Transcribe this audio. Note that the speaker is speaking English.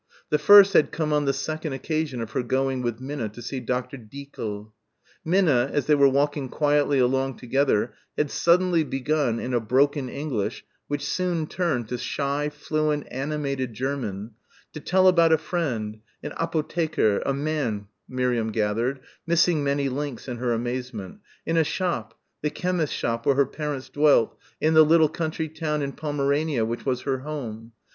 The first had come on the second occasion of her going with Minna to see Dr. Dieckel. Minna, as they were walking quietly along together had suddenly begun in a broken English which soon turned to shy, fluent, animated German, to tell about a friend, an apotheker, a man, Miriam gathered missing many links in her amazement in a shop, the chemist's shop where her parents dealt, in the little country town in Pomerania which was her home.